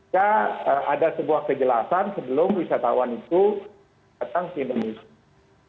ada sebuah kejelasan sebelum wisatawan itu datang ke indonesia